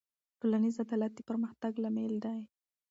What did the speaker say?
ټولنیز عدالت د پرمختګ لامل دی.